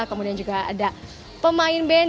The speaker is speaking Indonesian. kemudian juga ada pemain band